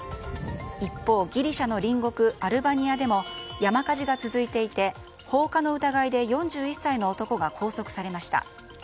一方、ギリシャの隣国アルバニアでも山火事が続いていて放火の疑いで４１歳の男が拘束されました。